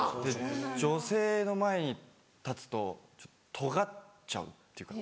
女性の前に立つととがっちゃうっていうか。